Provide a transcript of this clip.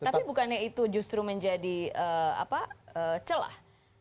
tapi bukannya itu justru menjadi celah